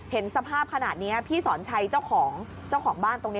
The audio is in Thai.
เห็นสภาพขนาดนี้พี่สอนชัยเจ้าของเจ้าของบ้านตรงนี้